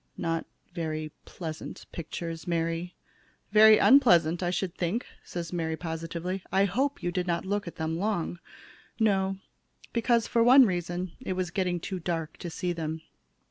Not very pleasant pictures, Mary." "Very unpleasant, I should think," says Mary, positively. "I hope you didn't look at them long." "No, because, for one reason, it was getting too dark to see them.